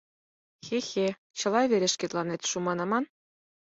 — Хе-хе, — чыла вере шкетланет шуман аман!